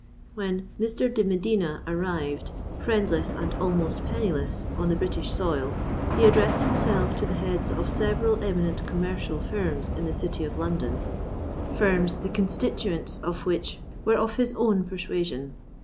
When Mr. de Medina arrived, friendless and almost penniless, on the British soil, he addressed himself to the heads of several eminent commercial firms in the City of London,—firms, the constituents of which were of his own persuasion.